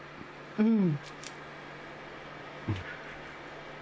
うん。